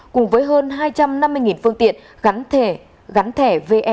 cùng với hơn hai trăm năm mươi phương tiện gắn thể